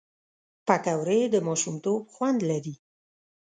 پکورې د ماشومتوب خوند لري